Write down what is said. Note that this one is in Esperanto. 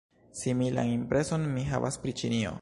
Similan impreson mi havas pri Ĉinio.